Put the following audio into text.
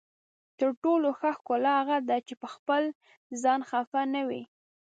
تر ټولو ښه ښکلا هغه ده چې پخپل ځان خفه نه وي.